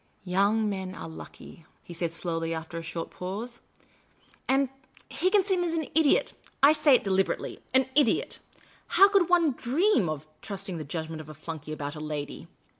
" Young men are lucky," he said, slowly, after a short pause ;"— and — Higginson is an idiot. I say it deliberately — an idiot ! How could one dream of trusting the judgment of a flunkey about a lady